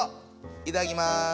いただきます。